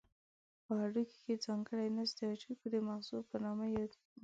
په هډوکو کې ځانګړی نسج د هډوکو د مغزو په نامه موجود دی.